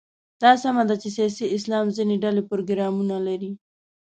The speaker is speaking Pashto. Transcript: دا سمه ده چې سیاسي اسلام ځینې ډلې پروګرامونه لري.